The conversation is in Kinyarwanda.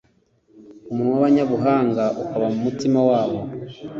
umunwa w’abanyabuhanga ukaba mu mutima wabo.